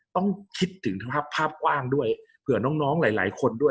ต้องคิดถึงสภาพภาพกว้างด้วยเผื่อน้องหลายคนด้วย